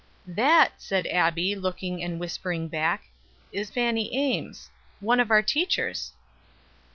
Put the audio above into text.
"That," said Abbie, looking and whispering back, "is Fanny Ames; one of our teachers."